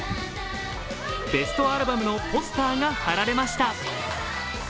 ベストアルバムのポスターが貼られました。